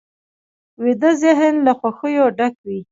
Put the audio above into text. ویده ذهن له خوښیو ډک وي